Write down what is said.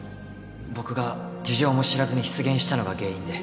僕が事情も知らずに失言したのが原因で